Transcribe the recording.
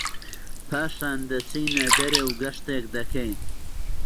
پاشان دەچینە دەرێ و گەشتێک دەکەین